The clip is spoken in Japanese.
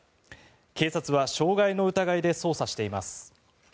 警察は傷害の疑いで捜査しています。